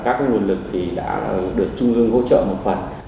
các nguồn lực thì đã được trung ương hỗ trợ một phần